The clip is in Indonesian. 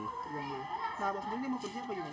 nah abis ini mau kerja apa